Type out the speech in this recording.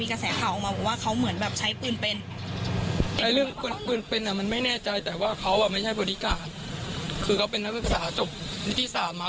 ก็ไม่ใช่บริการคือเขาเป็นนักศึกษาจบนิติศาสตร์มา